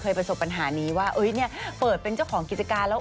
ประสบปัญหานี้ว่าเนี่ยเปิดเป็นเจ้าของกิจการแล้ว